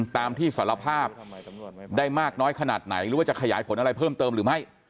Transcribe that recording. ตามที่สารภาพได้มากน้อยขนาดไหนหรือว่าจะขยายผลอะไรเพิ่มเติมหรือไม่